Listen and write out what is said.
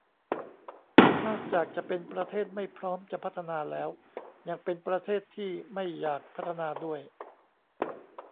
นอกจากจะเป็นประเทศไม่พร้อมจะพัฒนาแล้วยังเป็นประเทศที่ไม่อยากพัฒนาด้วย